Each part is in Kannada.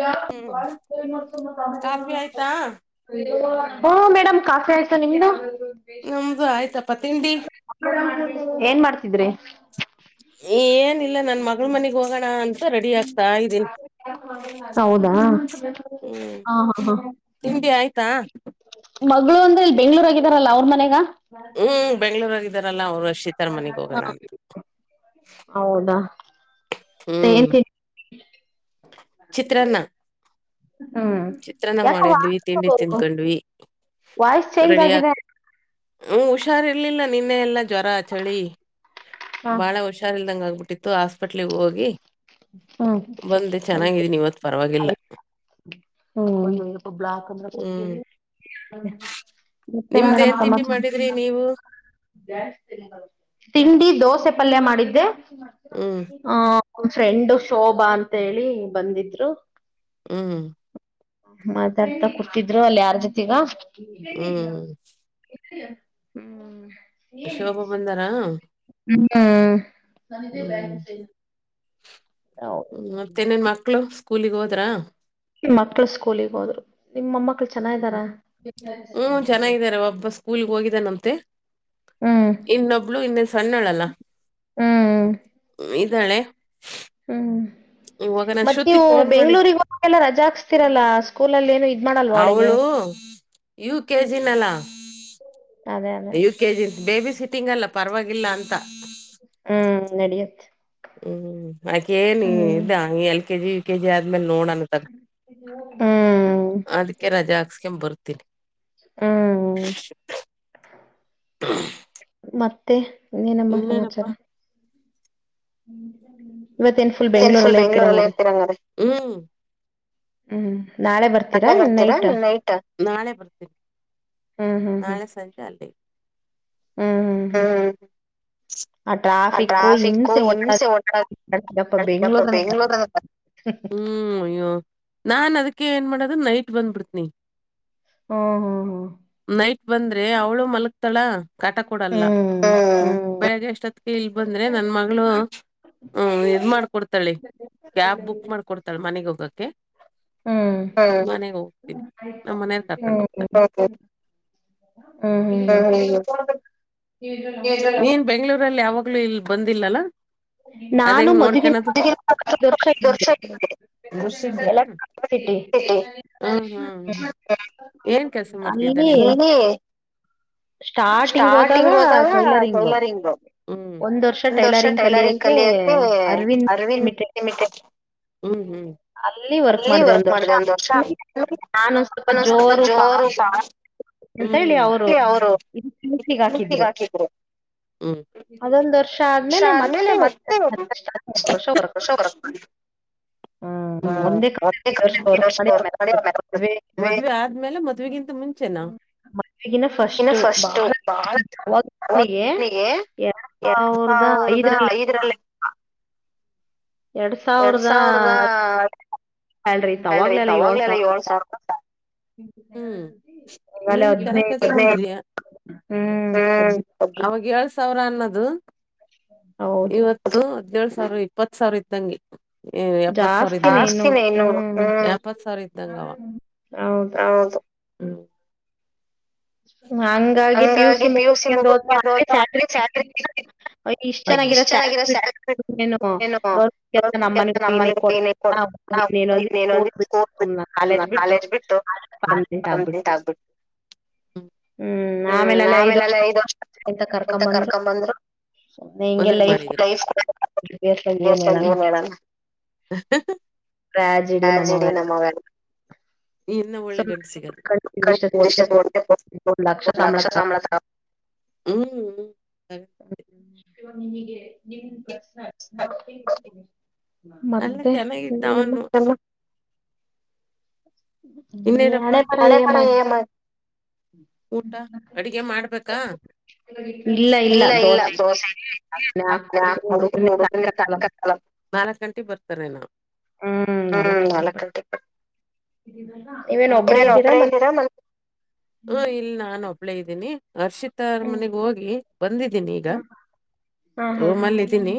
ಯ ಜ ಕ ಮಸ ಕಾಮ ಹಓ ಮೇಡಮ್ ಕಾಫಿ ಆಯ್ತಾ ನಿಮ್ದ ನಮ್ದು ಆಯ್ತಪ್ಪ ತಿಂಡಿ [inaudible] ಏನ್ ಮಾಡ್ತಿದ್ರಿ ಏನಿಲ್ಲ ನನ್ ಮಗಳ ಮನೆಗ್ ಹೋಗೋಣ ಅಂತ ರೆಡಿ ಆಗ್ತಾ ಇದ್ದೀನಿ ಹೌದಾ ಹಾ ಹಾ ಹಾ ಮಗ್ಳ ಅಂದ್ರೆ ಇಲ್ಲಿ ಬೆಂಗ್ಳೂರ ಆಗಿದಾರಲ್ಲ ಅವ್ರ ಮನೆಗ ಹ್ಮ್ ಬೆಂಗ್ಗಳೂರಾಗಿದಾರಲ್ಲ ಅವ್ರು ಅಶಿತ್ ಹ ಹೌದಾನ್ ಅ ಚಿತ್ರನ್ನ ಮಾಡಿದ್ವಿ ತಿಂಡಿ ತಿಂದಕಂಡ್ವಿ ವಾಯ್ಸ್ ಚೇಂಜ್ ಆಗಿದೆ ಹ್ಮಞ ಹುಷಾರ್ರ್ಲಿಲ್ಲ ನಿನ್ನೆ ಎಲ್ಲ ಜ್ವರ ಚಳಿ ಬಾಳ ಹುಷಾರಿಲ್ದಂಗ ಆಗ್ಬಿಟ್ಟಿತ್ತು ಹಾಸ್ಪೆಟ್ಲಗ್ ಹೋಗಿ ಬಂದೆ ಚೆನ್ನಾಗಿದೀನಿವತ್ ಪರವಾಗಿಲ್ಲ ಹೂಗ ಬಲಾಕ್ [inaudible] ಕುಲ್ಲಿ ಮತ್ತ ಮೇಮ್ಮ ಸಮಾಚಾರ ತಿಂಡಿ ದೋಸೆ ಪಲ್ಯ ಮಾಡಿದ್ದೆ ಹ್ಮ್ ಆ ಒ ಫ್ರೆಂಡ್ ಶೋಭಾ ಅಂತೇಳಿ ಬಂದಿದ್ರು ಹ್ಮ್ ಮಾತಡ್ತಾ ಕುತಿದ್ರು ಅಲ್ಲಿ ಯಾರ್ ಜೊತಿಗ ಹ್ಮ್ ಶೋಭಾ ಬಂದಾರಾ ಹ್ಮ ಹ ಹ್ಮ ಮತ್ತೆನನ್ ಮಕ್ಳು ಸ್ಕೂಲಗ್ ಹೋದ್ರ ನಿ ಮಕ್ಳ ಸ್ಕೂಲಿಗೆ ಹೋದ್ರು ನಿಮ್ಮಮ್ಮ ಹ್ಮ್ ಚೆನ್ನಾಗಾರ ಒಬ್ಬ ಸ್ಕೂಲ್ಗೆ ಹೋಗಿದ್ದ ನಮಂತೆ ಇನ್ನೊಬ್ಳ ಇನ್ನ ಸಣ್ಣಳಲ್ಲ ಇದಾಳೆ ಹ್ಮ್ ಮತ್ತ ನೀವು ಬೆಂಗ್ಳೂಗ ಹೋಗ ಎಲ್ಲ ರಜಾ ಹಕ್ಸ್ತಿರಲ್ಲಾ ಸ್ಕೂಲ್ಲ ಏನು ಅವಳು ಯವು ಕೆಜಿನಲ್ಲ [inaudible] ಅದೇ ಅದೇ U K G babysitting ಅಲ್ಲ ಪರವಾಗಿಲ್ಲ ಅಂತ ಹ್ಮ್ ನಡಿಯತ್ ಹ್ಮ್ ಅಕ ನ್ ಇದ L KG U K G ಆದ್ಮೇಲ್ ನೋಡಣತಾರ ಅದಕ್ಕೆ ರಜೆ ಹಾಕ್ಸ್ಕೊ ಬರ್ತೀನಿ ಹ್ಮ ಹ [inaudible] ಮತ್ತೆ ಇನ್ನನಮ್ಮ ನಮ್ಮ ಸಮಾಚಾರ ಇವತ್ತೇನ್ ಫುಲ್ ಬೆಂಗ್ಳೂರಲ್ಲೇ ಇರ್ತೀರಂಗ್ರ ಹೂ ನಾಳೆ ಬರ್ತೀರಾ ನೀ ನೈಟ್ ನಾಳೆ ಬ [inaudible] ನಾಳೆ ಸಂಜೆ ಅಲ್ಲಿ ಹ್ಮ್ ಆ ಟ್ರಾಫಿಕ್ ಹಿಂಸೆ ಒಟ್ಟ ಮತ್ತೆ ಬೆಂಗಳೂರು ಆಗುತ್ತೆ ಹ್ಮ್ ಅಯ್ಯೋ [inaudible] ನಾನ್ ಅದಕ್ಕೆ ಏನ್ ಮಾಡೋದು ನೈಟ್ ಬಂದ್ಬಿಡ್ತನಿ ಹ್ಮ್ ಹ್ಮ್ ಹ್ಮ ನೈಟ್ ಬಂದ್ರೆ ಅವಳು ಮಲಕ್ ತಳ ಕಾಟ ಕೊಡಲ್ಲ ಬೆಗ್ ಎಷ್ಟೊತ್ತಕ ಇಲ್ ಬಂದ್ರೆ ನನ್ ಮಗಳು ಹ್ಮ್ ಇದ್ ಮಾಡ್ಕ ಕೊಡ್ತಾಳಿ ಕ್ಯಾಬ್ ಬುಕ್ ಮಾಡ್ಕ ಕೊಡ್ತಾಳ ಮನೆಗ್ ಹೋಗಕ್ಕೆೆ ಮನೆಗೆ ಹೋಗ್ತೀನಿ ನಮ್ಮ ಮನೇಲಿ ಕರ್ಕೊಂಡ್ ಹೋಗ್ತಾರೆ ಹಾ ಹ್ಮ ನೀನ್ ಬೆಂಗ್ಗಳೂರಲ್ಲಿ ಯಾವಾಗ್ಲೂ ಇಲ್ ಬಂದಿಲ್ಲಲ್ಲ ಅದಂಗ ನೋಡ್ಕಣದು ಬಸಿದ್ಯಾ [inaudible] ಹ್ಮ ಹ್ಮ್ ಏನ್ ಕೆಲ್ಸ ಮಾಡ್ತಲ್ಲಿ [inaudible] ಸ್ಟಾರ್ಟಿಂಗ್ ಹೋದಾಗ ಟೈಲರಿಂಗ್ ಹ ಒಂದ್ ವರ್ಷ ಟೈಲರಿಂಗ್ ಕಲಿಯೋಕ್ಕೆ ಅರವಿಂದ್ ಮ [inaudible] ಹ್ಮ್ ಹ್ಮ್ ಅಲ್ಲಿ ವರ್ಕ್ ಮಾಡಿದೆ ಒಂದ್ ವರ್ಷ ನಾನಂದ ಸ್ವಲ್ಪ ಜೋರು [inaudible] ಹ್ಮ್ ಅವರು ಹಾಕಿದ್ರು [inaudible] ಹ್ಮ್ಷ ಆದ್ಮೇಲೆ ಮತ್ತೆ [inaudible] ಹ್ಮ ಮ [inaudible] ಮದುವೆ ಆದ್ಮೇ ಮದುವೆ ಮುಂಚೆನಾ ಹದ ನನಗೆ ಎರಡ್ ಸಾವಿರದ ಐದರಲ್ಲಿ [inaudible] ಇದ್ರಲ್ಲ [inaudible] ಎರಡ್ ಸಾವಿರದ ಅಲ್ರಿ ತವಾಗ್ಲಲ್ಲ ಏಳ್ ಸಾವಿರ ರೂಪಾಯ ಹ್ಮ್ ನೀನು ಚೆನ್ನಯ [inaudible] ಅವಾಗ ಏಳ್ ಸಾವಿರ ಅನ್ನೋದು ಹೌದು ಅದು ಹದ್ನೇಳಳ್ು ಸಾವಿರ ಇಪ್ಪತ್ ಸಾವಿರ ಇತ್ತಂಗೆ ಎಪ್ಪತ್ ಸಾವಿರ ಎಪತ್ ಸಾವರ ಇದ್ದಂಗವ ಹದು ಹ್ಮ ಹಂಗಾಗಿ ಪಿ ಯು ಸಿ ಮುಗಕ ಹ ಚಟ ಸಿ ಯ ಇಷ್ಟ ಚೆನ್ನಾಗಿರ ಸ್ಯಲ್ ಗೌಲ್ಲ ನಮ್ಮ ಮನೆ ಇನ್ನನೊಂದ ಸ್ಕೂಲ್ ಬಿ ಕಾಲೇಜ್ ಬಿಟ್ಟು ಪಮಿನೆಂಟ್ ಆಗ್ಬಿಟ್ು ಹ್ಮ್ ಆಮೇಲೆ ಅಲ್ಲ ಐದ್ ವರ್ಷ ಎಂತ ಕರ್ಕೊ್ ಬಂದ್ರು ಮೇಡ ಹಜೆಡಿ ನಮ್ಮ ಇನ್ನ ಒಳ್ಳೆ ಗಂಡಸಗದು ಡ ಲಕ್ಷ ಸಾಭ ಹ್ಮ್ ನಿ ಹಗೆ ಮತ್ತೆ ನೀನಮ್ಮ ಚಲ್ಲ ಇನ್ನೇನಪ್ಪಾ ಊಟ ಅಡಗೆ ಮಾಡ್ಬೇಕಾ ಇಲ್ಲ ಇಲ್ಲ ದೋಸೆ ಅಡು ತಕ್ಕ ಕಳ ನಾಲ್ಕಕ್ ಗಂಟೆಗೆ ಬರ್ತಾರೆ ನಾ್ ಹ ನಾ ಗಂ ನೀವೇನ್ ಒಬ್ಬ್ರೇ ಇದ್ದೀರಾ ಮ ಎ ಮ ಹ ಇಲ್ ನಾನು ಒಬ್ಳೇ ಇದ್ದೀನಿ ಅರ್ಷಿತ್ ಹತ್ತಾರ ಮನೆಗ್ ಹೋಗಿ ಬಂದಿದ್ದೀನಿ ಈಗ ರೂಮ್ ಅಲ್ಲಿ ಇದ್ದೀನಿ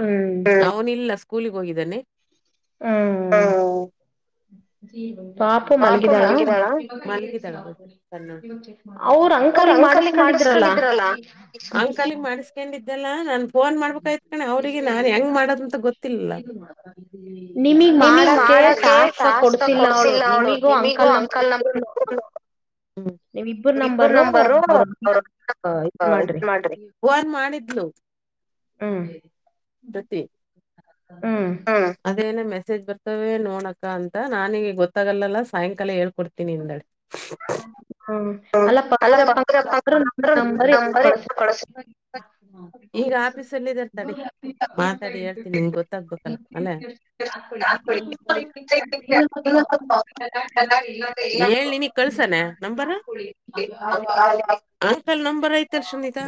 ಹ್ಮ್ ಅವನ ಇಲ್ಲ ಸ್ಕೂಲಗ್ ಹೋಗಿದ್ದಾನೆ ಹ್ಮ ಪು ಮಲಗಿದಾಳಾ ಅವ್ರ ಅಂಕಲ್ಲಿಗ್ ಮಾಡಸ್ಕೊಂಡಿದ್ರಲ್ಲ ಹಾಕೊಂಡಿದ್ದಲ್ಲ ನಾನ್ ಿದೆೋಡ ನಿಮಗ್ ಮಾಡಕ ಟಾಸ್ಕ್ ಸ ಕೊಡ್ಸಿಲ್ಲ ಅವಳು ನಿಮಿಗೂ ಅಂಕಲ್ ನ ನೀವ ಇಬ್ಬರು ನಂಬರ್ ಇದನ್ ಮಾಡ್ರಿ ವನ್ ಮಾಡಿದ್ನು ಹ್ಮ ಪ್ರತಿ ಹ್ಮ ಹ ಅದೇನ ಮೆಸೇಜ್ ಬರ್ತವೇ ನೋಡಕ್ಕ ಅಂತ ನಾನಿಗೆ ಗೊತ್ತಾಗಲ್ಲಲ್ಲ ಸಾಯಂಕಾಲ ಹೇಳ್ಕೊಡ್ತೀನಿ ಹಿಂದಾಳ ಹ್ಮ ಅಲ್ಲ ಪೀರಪ್ಪ ನಂಬರ್ ಎ ಕೊ ಹ್ಮ ಈಗ ಆಫೀಸಲ್ಲಿ ಇದರ್ತಾಡೆ ಮಾತಾಡಿ ಹೇಳ್ತೀನಿ ಗೊ ತ್ತಗ್ಬೇಕಲ್ಲ ಅಲ್ಲೇ ಇಲ್ಲ ಹಡಿ ಆನ್ಫೈಲ್ ನಂಬರ್ ಐ್ತರಿ ಸುನಿತಾ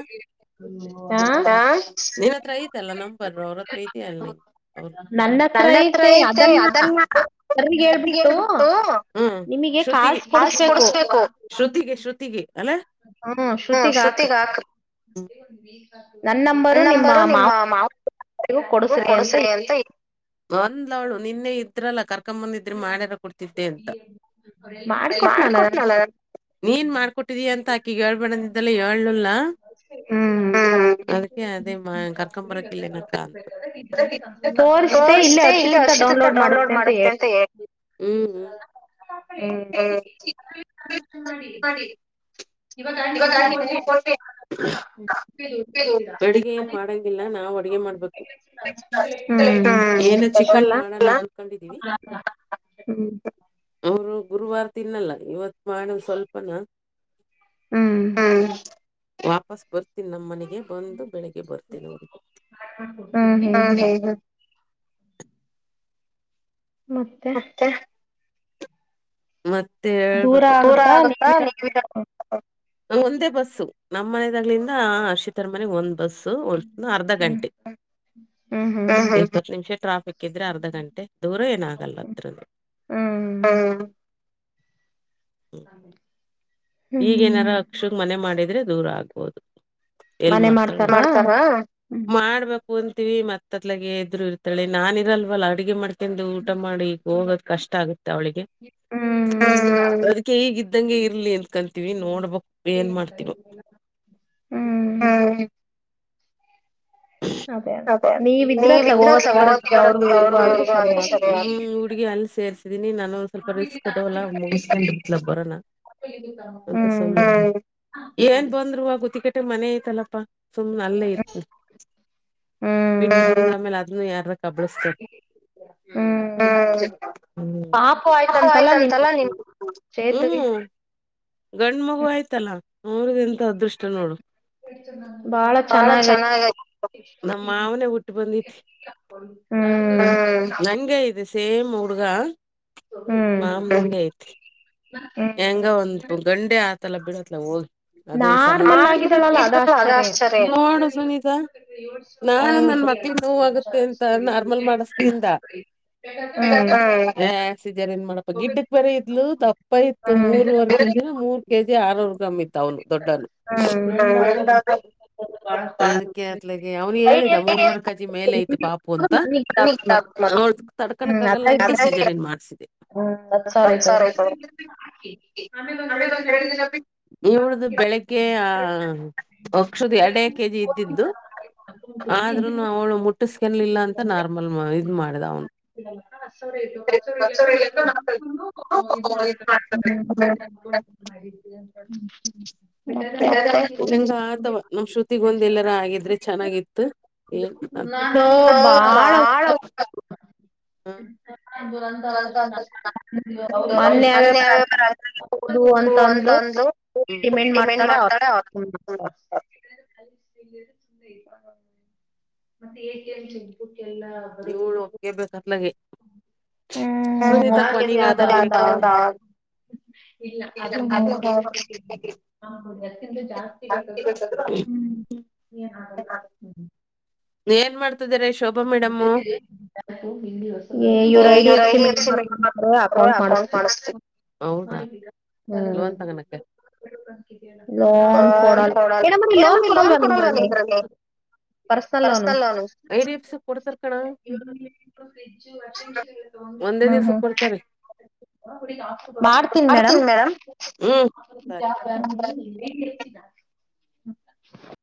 ನಿನ್ ಹತ್ರ ಐತಲ್ಲ ನಮ್ ಬರ್ರು ಅವ್ರತ್ರ ಐತಿ ಅಲ್ ನೀ ಹ ನನ್ನತ್ರ ಐತೆ ಅದಲ್ಲ ತ್ತ ಹೇಳ್ಬಿಟ್ಟು ಹ್ಮ್ ಶ್ರುತಿ ಆಲ್ಸ ಕೊಡಸ್ಬೇಕು ಶ್ರುತಿಗೆ ಶ್ರುತಿಗೆ ಅಲ ಶ್ರುತಿಗೆ ನನ್ ನಂಬರು ನಿಮ್ಮ [unintelligible] ಮಾವಗೂ ಕೊಡಸ್ರಿ ಅಂತ [unintelligible] ಒಂದ ಅವಳು ನಿನ್ನೆ ಇದ್ರಲ್ಲ ಕರ್ [unintelligible] [unintelligible] ಅಕ್ಕಂದ ಇದ್ರೆ ಮಾಡ್ಯಾರ ಕೊಡ್ತಿದ್ದೆ ಅಂತ ಮಾಡಕೊಟ್ನ ನೀನ್ ಮಾಡ್ಕೊಟ್ಟಿದಿ ಅಂತ ಅಕಿ ಹೇಳ್ಬೇಡಂದಿದ್ದಲ್ಲ ಹೇಳನಲ್ಲಾ [unintelligible] ಹ್ಮ ಅದಕ್ಕೆೇ ಅ ಕರ್ಕಂಬರಕ್ಕೆಲ್ಲನ [unintelligible] ಕ ಅಂತ ತೋರ್ [unintelligible] ಇಲ್ಲಿ ಅರ್ಷಿದ ಅಂತ ಡೌನ್ಲೋಡ್ ಮಾಡುತ್ತೆ [unintelligible] ಹ್ಮ್ ಹ್ಮ್ [unintelligible] ಮಾಡಿ ಮಾಡಿ ಇವ [unintelligible] ಕೊಟ್ಟೆ ಅಡ್ಗೆ ಏನ್ ಮಾಡಂಗಿಲ್ಲ ನಾವು ಅಡ್ಗೆ ಮಾಡ್ಬೇಕು ಏನ ಚಿಕನ್ ಮಾಡಲ್ಲ ಅನ್ಕೊಂಡಿದ್ದೀವಿ ಹ್ಮ್ ಅವರು ಗುರುವಾರ ತಿನ್ನಲ್ಲ ಇವತ್ ಮಾಡುವ ಸ್ವಲ್ಪನಾ [unintelligible] ಹ್ಮ್ ಹ್ಮ ವಾಪಸ್ ಬರ್ತೀನಿ ನಮ್ಮ ಮನೆಗೆ ಬಂದು ಬೆಳಿಗ್ಗೆ ಬರ್ತೇನಿ ಊರಿಗ್ [unintelligible] ಮತ್ತೆ ಮತ್ತೆ ಹೇಳ್ಬೇಕು ದುರಾ ಆಗುತ್ತ [unintelligible] [unintelligible] ನ ಒಂದೇ ಬಸ್ಸು ನಮ್ಮ್ ಮನೆದಾಗ್ಳಿಂದ ಹರ್ಷಿತೋರ ಮನೆ ಒಂದ್ ಬಸ್ [unintelligible] ಲು ಅರ್ಧ ಗಂಟೆ ಇಪ್ಪತ್ ನಿಮಿಷ ಟ್ರಾಫಿಕ್ ಇದ್ರೆ ಅರ್ಧ ಗಂಟೆ ದೂರ ಏನಾಗಲ್ಲ ಅತ್ರನೇ ಹ್ಮ್ ಹ್ಮ್ ಈಗ ಏನಾರ ಅಕ್ಷಗೆ ಮನೆ ಮಾಡಿದ್ರೆ ದೂರ ಆಗ್ಬೋದು ಎಲ್ ಮಾಡ್ತಾರಾ ಮಾಡ್ತಾನ ಮಾಡಬೇಕ [unintelligible] ಕುಂತಿವಿ ಮತ್ದಲಾಗ ಎದ್ರು ಇರ್ತಳ ನಾನ್ ಇರಲ್ವಲ್ಲ ಅಡುಗೆ ಮಾಡ್ [unintelligible] ಅಲ್ಲಿಂದ ಊಟ ಮಾಡಿ ಹೋಗೋದ್ ಕಷ್ಟ ಆಗುತ್ತೆ ಅವಳಿಗೆ ಹ್ಮ್ ಅದಕ್ಕೆ ಈಗ ಇದ್ದಂಗೆ ಇರ್ಲಿ ಅಂದ್ ಕಂತೀವಿ ನೋಡ್ಬಕ್ ಏನ್ ಮಾಡ್ತೀವ ಹ್ಮ್ ಅದೇ ಅದೇ ನೀವಿದ್ರೆ ತೊಗೊಳಕ್ [unintelligible] ಹುಡುಗಿ ಅಲ್ಲಿ ಸೇರ್ರಿಸಿದೀನಿ ನಾನು ಸ್ವಲ್ಪ ರಿಸ್ಕ್ ಅದವಲ್ಲ ಮುಗಿಸಿ ಬರೋನ [inaudible] [unintelligible] ಅಂತ ಸುಮ್ ಏನ್ ಬಂದ್ರುವ ಗುತ್ತೆಗೆ ಮಷ್ಟೆ ಮನೆ ಐತಲ್ಲಪ್ಪಾ ಸುಮ್ ನಲ್ಲೇ ಇತ್ತು. [unintelligible] [unintelligible] ಬಿಟ್ಟಗಳ ಮೇಲೆ ಅದನ್ನು ಯಾರಾರ ಕಬಳಿಸತ [unintelligible] ಹ್ಮ್ ಆಯ್ತಂತಲ್ಲ ನಿನ್ [unintelligible] ಹ್ಮ್ ಗಂಡ್ ಮಗು ಆಯ್ತಲ್ಲಾ ಅವ್ರಗಂತ ಅದೃಷ್ಟ ನೋಡು. ಬಾಳ ಚೆನ್ನಾಗ ನಮ್ಮ ಮಾವನ ಹುಟ್ಟಿ ಬಂದೈತಿ. [unintelligible] ಹ್ಮ್ ನಂಗೆ ಐತೆ ಸೇಮ್ ಹುಡ್ಗ ಮಾಮಗೆ ಐತಿ,. ಹೆಂಗ ಒಂದ ಗಂಡೆ ಆತಲ್ಲ ಬಿಡತ್ಲ ಹೋಗಿ. ಅದೊಂದ ಸಮ [unintelligible] ನೋಡುಸುನೀತಾ ನಾನು ನನ್ ಮಕ್ಕಳಿಗೆ ನೋವು ಆಗುತ್ತೆ ಅಂತ ನಾರ್ಮಲ್ ಮಾಡಸ್ರಿಂದ [unintelligible] ಸಿಸರಿನ್ ಏನ್ ಮಾಡಪ್ಪ ಗಿಡ್ಡಕ್ ಬರ ಇದ್ಲು ದಪ್ಪ ಇತ್ತು ಮೂರ್ ಒ ಮೂರ್ ಕೆಜಿ ಆರ್ನೂರು ಗ್ರಾಂ ಇತ್ತು ಅವನು ದೊಡ್ಡನು [unintelligible] ಅದಕ್ಕೆ ಅತ್ಲಗೆ ಅವ್ನು ಹೇಳಿದ [unintelligible] ಮೂರ್ನಾಲ್ಕು ಕಜಿ ಮೇಲೆ ಐತಿ ಪಾಪು ಅಂತ, ನ ತಡ್ಕೋಕ್ ಆಗಲ್ಲ ಅಂತ ಸಿಜರಿನ್ ಏನ್ ಮಾಡಸಿದೆ ಅೆ ಒಂದ್ ಎರಡು ದಿನ ಬಿ, ಇ ಉಳ್ದು ಬೆಳಿಗ್ಗೆ ಆ ವಷದ ಎರಡೇ ಕೆಜಿ ಇದ್ದಿದ್ದು. ಅ ಜೊ [inaudible] ಅವಳು ಮುಟ್ಟು ಸ್ಕೆನ್ ಇಲ್ಲ ಅಂತ ನಾರ್ಮಲ್ ಇದು ಮಾಡ ಆ ಹಸರು ಇದು ಹಸರು ಇಲ್ಲ ಅಂದ್ರೆ ಮಕ್ಕಳೂ ಇದ್ ಮಾಡ್ಕೊಬೇಕು. [inaudible] ಹಂಗ ಆತವಾ ನಾವ್ ಶ್ರುತಿಗ್ ಒಂದ ಎಲ್ಲಾರ ಆಗಿದ್ರೆ ಚೆನ್ನಾಗಿತ್ತು. ಭಾಳ [inaudible] ರ್ನ್ [inaudible] ಹೌದು ಅಂತಂದು ಮೆಂಟ್ ಮಾಡ್ತಾಳೆ ಅವ ಮತ್ತೆ ಎ ಚೆಕ್ ಬುಕ್ ಎಲ್ಲಾ ನೀಳ ಒಕ್ಕೇ ಬೇಕತ್ಲಗೆ ಸ ತಕ್ವನಿಗಾದ್ರೆ ಇಲ್ಲ ಅದ ಹೌದು ಹತ್ತಿಂತ ಜಾಸ್ತಿ ಬೇಕಾದ್ ಆಗ್ಬ ಏನ್ ಆಗಲ್ ಇವ ಐ ಎಫ ಮೇಡ ಅಕೌಂಟ್ ಮಾಡಿಸ್ತವಿ ಲೋನ್ ತಗಣಕ್ಕೆ ಲೋನ್ ಕೊಡಲ್ ಏನ್ರ ಲೋನ್ ಕೊಡಲ್ವಾ ನಿಮ್ರಲ್ಲಿ ಪರ್ಸನಲ್ ಲೋನುರ ಹ್ಮ್ ಹ್ಮ ಮಾಡ್ತೀನ್ ಮೇಡಮ್ ಜಾ ಏನ್ ಹೇಳ್ತಿನ